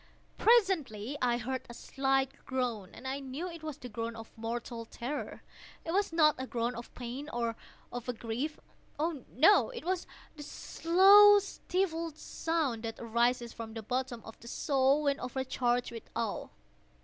Presently I heard a slight groan, and I knew it was the groan of mortal terror. It was not a groan of pain or of grief—oh, no!—it was the low stifled sound that arises from the bottom of the soul when overcharged with awe.